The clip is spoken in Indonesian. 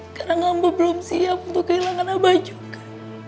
sekarang amba belum siap untuk kehilangan abah juga